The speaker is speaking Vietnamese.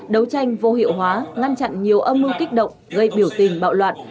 đấu tranh vô hiệu hóa ngăn chặn nhiều âm mưu kích động gây biểu tình bạo loạn